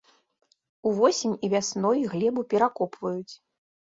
Увосень і вясной глебу перакопваюць.